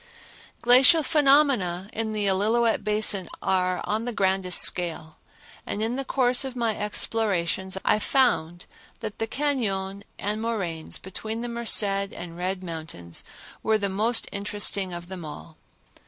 Glacial phenomena in the Illilouette Basin are on the grandest scale, and in the course of my explorations I found that the cañon and moraines between the Merced and Red Mountains were the most interesting of them all.